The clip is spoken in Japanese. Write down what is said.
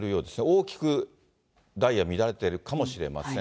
大きくダイヤ、乱れているかもしれません。